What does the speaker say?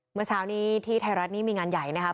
เมื่อเช้านี้ที่ไทยรัฐนี่มีงานใหญ่นะครับ